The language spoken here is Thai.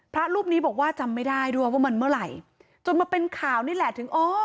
พระรูปนี้บอกว่าจำไม่ได้ด้วยว่ามันเมื่อไหร่จนมาเป็นข่าวนี่แหละถึงอ๋อ